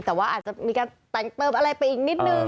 แต่ว่าอาจจะมีการแต่งเติมอะไรไปอีกนิดนึง